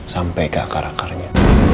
sampai ke akar akarnya